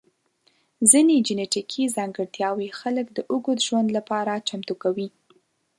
ځینې جنیټیکي ځانګړتیاوې خلک د اوږد ژوند لپاره چمتو کوي.